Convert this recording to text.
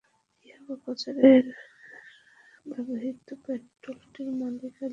ইয়াবা পাচারে ব্যবহৃত ট্রলারটির মালিক আলী আহমেদের মামাতো ভাই নুরুন নবী।